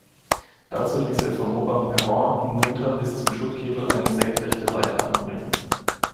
Dazu ließ er vom oberen Perron hinunter bis zum Schuttkegel eine senkrechte Leiter anbringen.